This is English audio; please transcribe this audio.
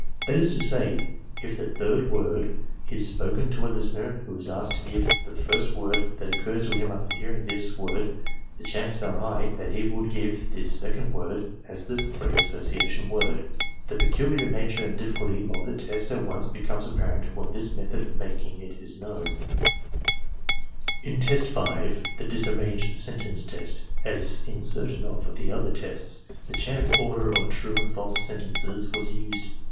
That is to say, if the third word is spoken to a listener who is asked to give the first word that occurs to him after hearing this word the chances are high that he will give this second word as the "free association" word. The peculiar nature and difiiculty of the test at once becomes apparent when this method of making it is known. MAKING THE TESTS 5 In test five (the disarranged sentence test), as in certain of the other tests, the chance order of true and false sentences was used.